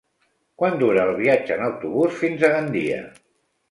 Quant dura el viatge en autobús fins a Gandia?